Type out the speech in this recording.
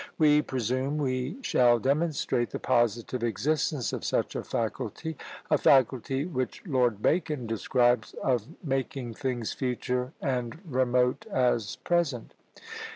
We presume we shall demonstrate the positive existence of such a faculty; a faculty which Lord Bacon describes of "making things FUTURE and REMOTE AS PRESENT."